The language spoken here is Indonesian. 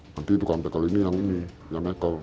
nanti tukang tackle ini yang ini yang tackle